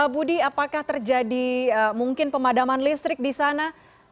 budi apakah terjadi mungkin pemadaman listrik di sana